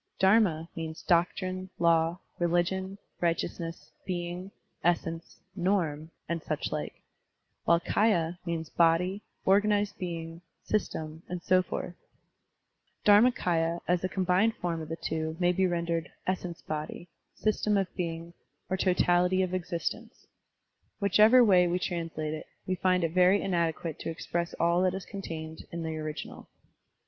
Dharma means "doctrine," "law," "religion," "righteousness," "being," "essence," "norm," and such like; while kdya means "body," "organ ized being," "system," and so forth, Dhar makS, ya as a combined form of the two may be rendered "essence body," "system of being," or "totality of existence." Whichever way we translate it, we find it very inadequate to express all that is contained in the original.